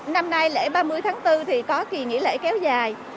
năm nay lễ ba mươi tháng bốn thì có kỳ nghỉ lễ kéo dài